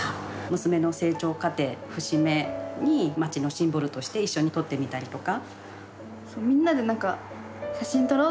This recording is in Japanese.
娘の成長過程、節目に町のシンボルとして一緒に撮ってみたりとか。